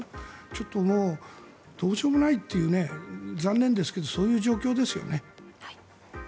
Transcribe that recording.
ちょっともうどうしようもないという残念ですけどそういう状況ですよね。